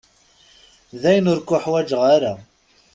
Dayen ur k-uḥwaǧeɣ ara.